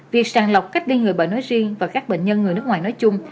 việc sàng lọc cách ly người bệnh nói riêng và các bệnh nhân người nước ngoài nói chung